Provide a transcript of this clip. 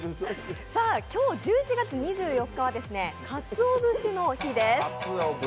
今日１１月２４日は鰹節の日です。